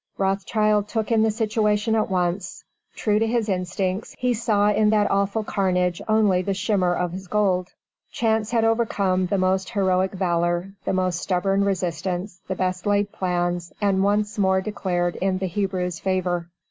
Rothschild took in the situation at once. True to his instincts, he saw in that awful carnage only the shimmer of his gold. Chance had overcome the most heroic valor, the most stubborn resistance, the best laid plans, and once more declared in the Hebrew's favor.